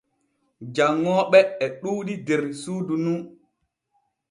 Janŋooɓe e ɗuuɗi der suudu nu.